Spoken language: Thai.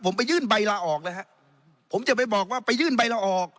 ผมไปยื่นใบลาออกเลยฮะผมจะไปบอกว่าไปยื่นใบลาออก